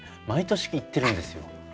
毎年言ってるんですよ。